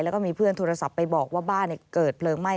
แล้วก็มีเพื่อนโทรศัพท์ไปบอกว่าบ้านเกิดเพลิงไหม้